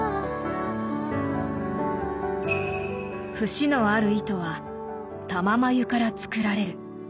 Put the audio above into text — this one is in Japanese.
節のある糸は「玉繭」から作られる。